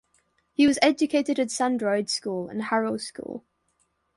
He was educated at Sandroyd School and Harrow School.